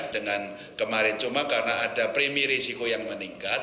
dengan kemarin cuma karena ada premi risiko yang meningkat